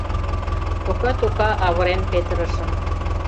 Тока-тока авырен петырышым.